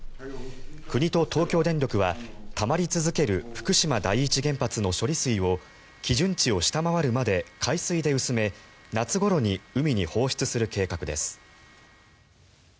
国と東京電力は、たまり続ける福島第一原発の処理水を基準値を下回るまで海水で薄め夏ごろに海に放出する計画です。